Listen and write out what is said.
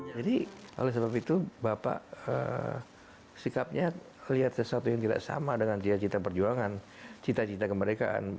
jadi oleh sebab itu bapak sikapnya lihat sesuatu yang tidak sama dengan cita cita perjuangan cita cita kemerdekaan